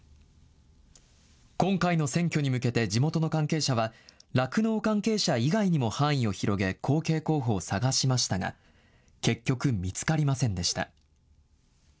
今回の選挙に向けて地元の関係者は、酪農関係者以外にも範囲を広げ、後継候補を探しましたが、結局見つかりませんでした。